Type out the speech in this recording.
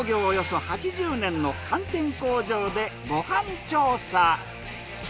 およそ８０年の寒天工場でご飯調査。